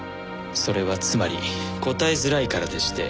それはつまり答えづらいからでして。